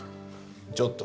ちょっと。